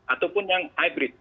ataupun yang hybrid